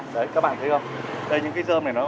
đấy các bạn thấy không cây những cái dơm này nó